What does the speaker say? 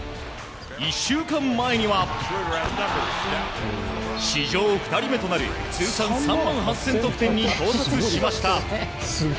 １週間前には史上２人目となる通算３万８０００得点に到達しました。